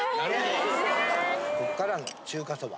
ここからの中華そば。